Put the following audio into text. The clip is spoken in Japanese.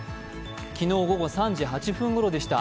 昨日午後３時８分ごろでした。